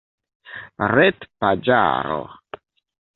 retpaĝaro